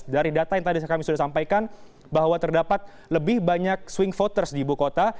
dari data yang tadi kami sudah sampaikan bahwa terdapat lebih banyak swing voters di ibu kota